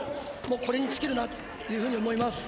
これに尽きるなと思います。